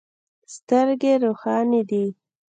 سترګې روښانې دي.